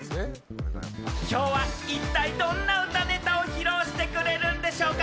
今日は一体どんな歌ネタを披露してくれるんでしょうか？